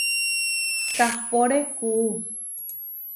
Kahpóre kuʼú.